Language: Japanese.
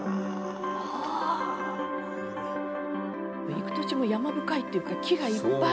行く途中も山深いっていうか木がいっぱい！